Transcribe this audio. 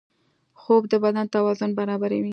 خوب د بدن توازن برابروي